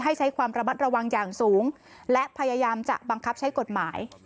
ใช้ความระมัดระวังอย่างสูงและพยายามจะบังคับใช้กฎหมาย